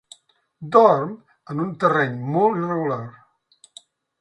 Dorm en un terreny molt irregular.